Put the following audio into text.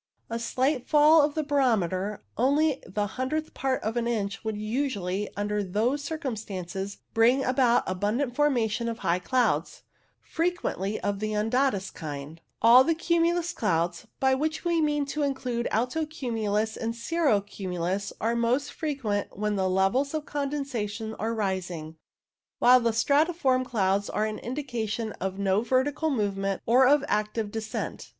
A slight fall of the barometer, only the hundredth part of an inch, would usually, under those circumstances, bring about abundant formation of high clouds, frequently of the undatus kind. 152 CLOUD ALTITUDES All the cumulus clouds, by which we mean to include alto cumulus and cirro cumulus, are most frequent when the levels of condensation are rising, while the stratiform clouds are an indication of no vertical movement or of active descent.